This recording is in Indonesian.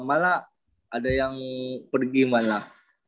malah ada yang pergi malah